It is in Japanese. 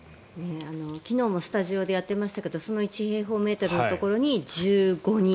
昨日もスタジオでやってましたがその１平方メートルのところに１５人。